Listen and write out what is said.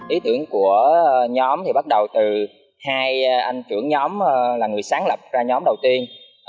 ý tưởng của nhóm thì bắt đầu từ hai anh trưởng nhóm là người sáng lập ra nhóm đầu tiên